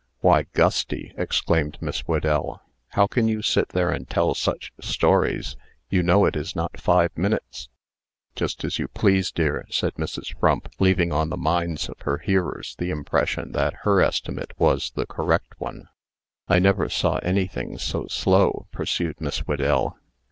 "Why, Gusty!" exclaimed Miss Whedell; "how can you sit there and tell such stories? You know it is not five minutes." "Just as you please, dear," said Mrs. Frump, leaving on the minds of her hearers the impression that her estimate was the correct one. "I never saw anything so slow," pursued Miss Whedell.